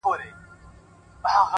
• یوه لمسي ورڅخه وپوښتل چي ګرانه بابا,